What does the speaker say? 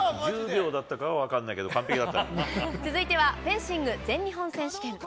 １０秒だったかは分かんない続いてはフェンシング全日本選手権。